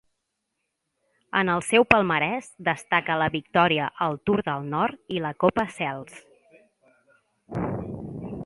En el seu palmarès destaca la victòria al Tour del Nord i la Copa Sels.